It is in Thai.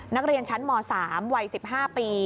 นักเรียนชั้นหมอสามวัยสิบห้าปี